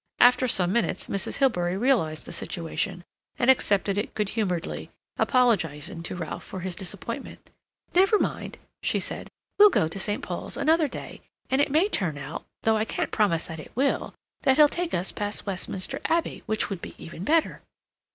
After some minutes, Mrs. Hilbery realized the situation, and accepted it good humoredly, apologizing to Ralph for his disappointment. "Never mind," she said, "we'll go to St. Paul's another day, and it may turn out, though I can't promise that it will, that he'll take us past Westminster Abbey, which would be even better."